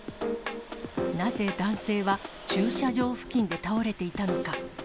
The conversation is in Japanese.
なぜ男性は駐車場付近で倒れていたのか。